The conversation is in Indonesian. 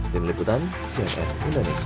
dengan liputan smp indonesia